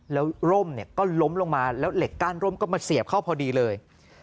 แล้วร่มเนี่ยก็ล้มลงมาแล้วเหล็กก้านร่มก็มาเสียบเข้าพอดีเลย